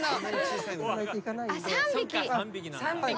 ３匹。